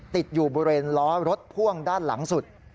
ติดอยู่บริเวณล้อรถพ่วงด้านหลังสุด